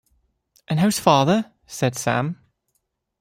‘And how’s father?’ said Sam.